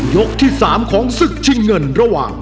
ยกที่๓ของศึกชิงเงินระหว่าง